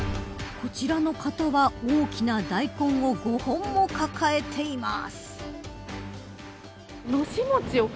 こちらの方は大きな大根を５本も抱えています。